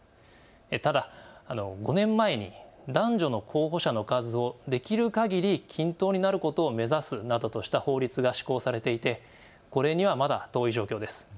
ただ５年前に男女の候補者の数をできるかぎり均等になることを目指すなどとした法律が施行されていてこれにはまだ遠い状況です。